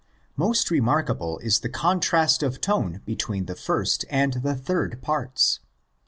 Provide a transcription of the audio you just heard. Most remarkable is the contrast of tone between the first and the third parts.